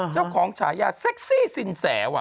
เจ้าของฉายาเซ็กซี่สินแสว่ะ